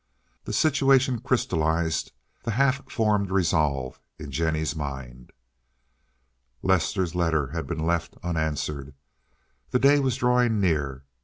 The situation crystallized the half formed resolve in Jennie's mind. Lester's letter had been left unanswered. The day was drawing near.